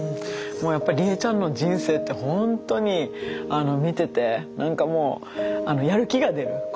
やっぱリエちゃんの人生ってほんとに見てて何かもうやる気が出る。